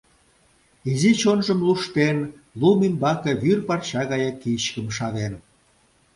Изи чонжым луштен, лум ӱмбаке вӱр парча гае кичкым шавен.